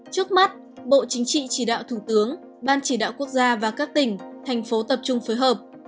trước mắt bộ chính trị chỉ đạo thủ tướng ban chỉ đạo quốc gia và các tỉnh thành phố tập trung phối hợp